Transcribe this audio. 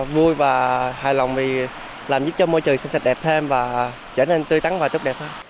vui và hài lòng vì làm giúp cho môi trường xanh sạch đẹp thêm và trở nên tươi tắn và tốt đẹp hơn